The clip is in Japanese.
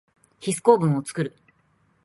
ヒス構文をつくる。